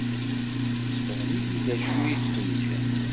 Sefhem-iyi-d d acu i d-tenniḍ.